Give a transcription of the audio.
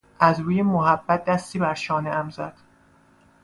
از روی محبت دستی بر شانهام زد.